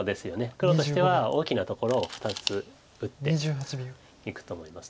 黒としては大きなところを２つ打っていくと思います。